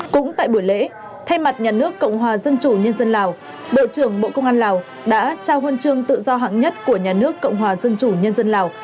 cũng tại buổi lễ thay mặt nhà nước cộng hòa dân chủ nhân dân lào